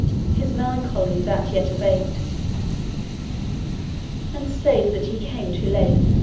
His melancholy that ye abate; And sayes that ye came too late.